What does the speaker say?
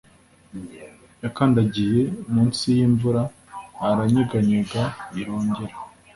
yakandagiye munsi yimvura, iranyeganyega, irongera